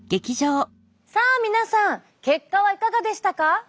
さあ皆さん結果はいかがでしたか？